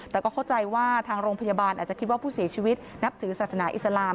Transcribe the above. แต่ก็เข้าใจว่าทางโรงพยาบาลอาจจะคิดว่าผู้เสียชีวิตนับถือศาสนาอิสลาม